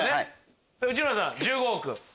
内村さん１５億？